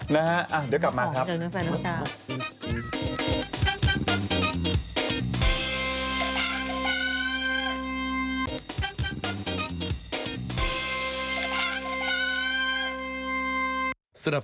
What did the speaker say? นะฮะเดี๋ยวกลับมาครับ